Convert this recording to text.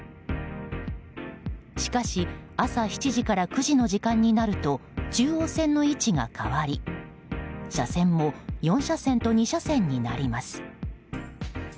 しかし朝７時から９時の時間になると中央線の位置が変わり車線も４車線と２車線になります。